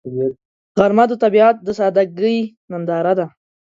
غرمه د طبیعت د سادګۍ ننداره ده